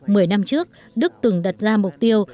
mười năm trước đức từng đặt ra mục tiêu